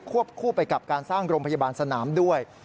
คู่ไปกับการสร้างโรงพยาบาลสนามด้วย